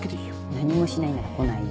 何もしないなら来ない。